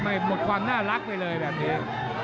หมดความน่ารักไปเลยแบบนี้